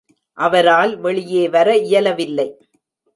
அவரால் வெளியே வர இயலவில்லை.